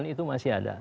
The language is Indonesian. harapan itu masih ada